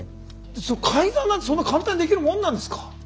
それ改ざんなんてそんな簡単にできるもんなんですか？